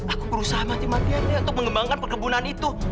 aku berusaha mati matian untuk mengembangkan perkebunan